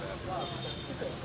aku tak ajarin ya mendua